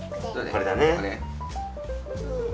これだね。